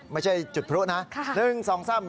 ไม่ใช่จุดพระนะ๑๒๓